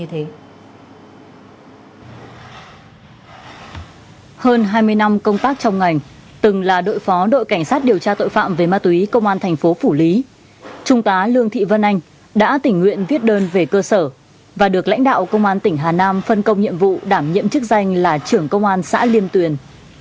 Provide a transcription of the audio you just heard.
hơn hai mươi năm công tác trong ngành từng là đội phó đội cảnh sát điều tra tội phạm về ma túy công an thành phố phủ lý trung tá lương thị vân anh đã tỉnh nguyện viết đơn về cơ sở và được lãnh đạo công an tỉnh hà nam phân công nhiệm vụ đảm nhiệm chức danh là trưởng công an xã liêm tuyền